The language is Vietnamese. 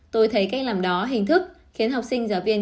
tôi thấy cách làm đó hình thức khiến học sinh giáo viên